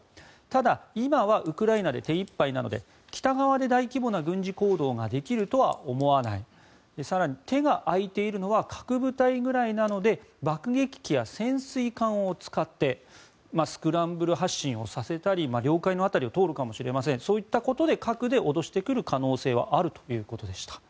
ただ、今はウクライナで手いっぱいなので北側で大規模な軍事行動ができるとは思わない更に、手が空いているのは核部隊ぐらいなので爆撃機や潜水艦を使ってスクランブル発進をさせたり領海の辺りを通るかもしれませんそういったことで核で脅してくる可能性はあるということでした。